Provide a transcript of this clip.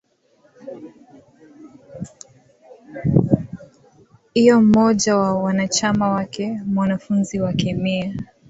lo mmoja wa wanachama wake mwanafunzi wa kemia